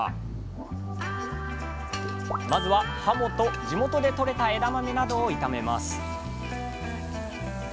まずははもと地元でとれた枝豆などを炒めます